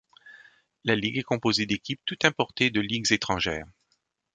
La ligue est composée d'équipes toutes importées de ligues étrangères.